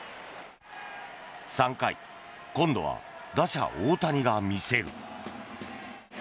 ３回、今度は打者・大谷が見せる。